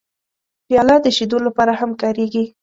پیاله د شیدو لپاره هم کارېږي.